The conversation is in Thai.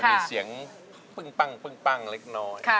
มีเสียงปึ้งเล็กน้อย